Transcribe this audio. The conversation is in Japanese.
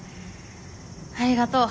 ありがとう。